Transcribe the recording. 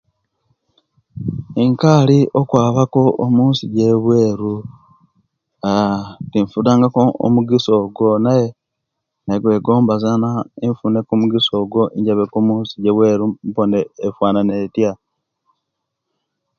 Nkali okwabaku omunsi ejobweru aaa tinfunanga ku omugisa oguwo naye negomba nzena nfune ku omugisa ogwo injabe ku omunsi ojobweru inpone efanana etiya